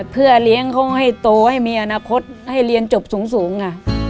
เพื่อเลี้ยงเขาให้โตให้มีอนาคตให้เรียนจบสูงค่ะ